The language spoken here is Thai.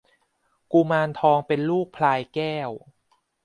กุมารทองเป็นลูกพลายแก้ว